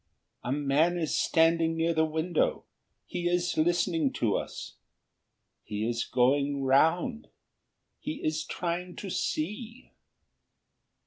"A man is standing near the window, he is listening to us ... he is going round ... he is trying to see."